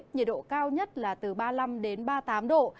nhiệt độ cao nhất là từ ba mươi năm đến ba mươi tám độ